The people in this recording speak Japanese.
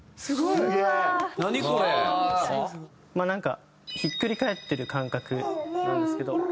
なんかひっくり返ってる感覚なんですけど。